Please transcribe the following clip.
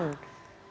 atau yang asuransi